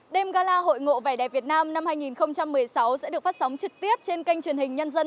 đêm gala hội ngộ vẻ đẹp việt nam năm hai nghìn một mươi sáu sẽ được phát sóng trực tiếp trên kênh truyền hình nhân dân